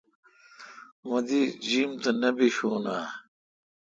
مہ دی جیم تہ نہ بیشون آں؟